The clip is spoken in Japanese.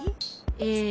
ええ。